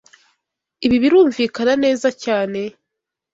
Ibi birumvikana neza cyane?